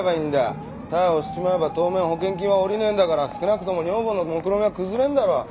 逮捕しちまえば当面保険金は下りねえんだから少なくとも女房のもくろみは崩れんだろ。